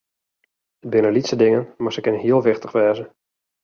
It binne lytse dingen, mar se kinne heel wichtich wêze.